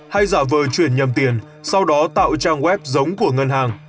hay giả vờ chuyển nhầm tiền sau đó tạo trang web giống của ngân hàng